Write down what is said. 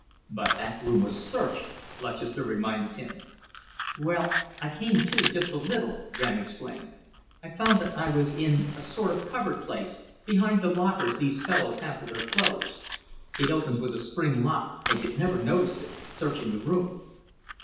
"But that room was searched," Lutchester reminded him. "Well I came to just a little," Graham explained, "I found that I was in a sort of cupboard place, behind the lockers these fellows have for their clothes. It opens with a spring lock, and you'd never notice it, searching the room."